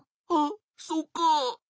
あっそうか。